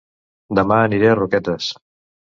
Dema aniré a Roquetes